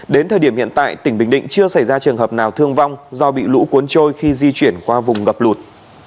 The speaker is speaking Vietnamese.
đến thời điểm hiện tại tỉnh bình định chưa xảy ra trường hợp nào thương vong do bị lũ cuốn trôi khi di chuyển qua vùng ngập lụt